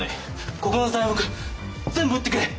ここの材木全部売ってくれ！